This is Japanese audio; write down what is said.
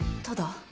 ただ？